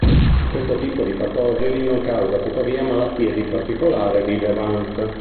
Questo tipo di patogeni non causa tuttavia malattie di particolare rilevanza.